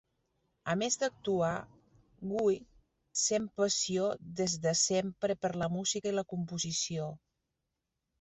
A més d'actuar, Guy sent passió des de sempre per la música i la composició.